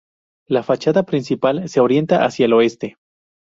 La fachada principal se orienta hacia el este.